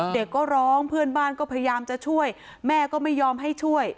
เด็กก็ร้องเพื่อนบ้านก็พยายามจะช่วยแม่ก็ไม่ยอมให้ช่วย